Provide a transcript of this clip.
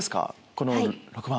この６番。